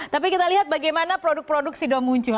tapi kita lihat bagaimana produk produk sido muncul